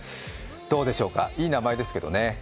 どうでしょうか、いい名前ですけどね。